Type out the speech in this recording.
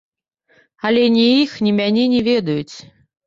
Але ні іх, ні мяне не ведаюць.